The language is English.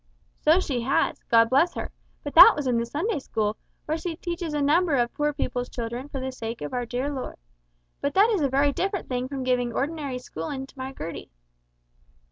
"So she has, God bless her; but that was in the Sunday school, where she teaches a number of poor people's children for the sake of our dear Lord but that is a very different thing from giving or'nary schoolin' to my Gertie."